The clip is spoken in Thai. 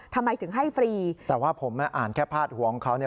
ทำไมถึงให้ฟรีแต่ว่าผมอ่านแค่พาดหัวของเขาเนี่ย